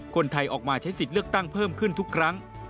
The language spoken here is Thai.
คนไทยออกมาใช้สิทธิ์เลือกตั้งเพิ่มขึ้นทุกครั้ง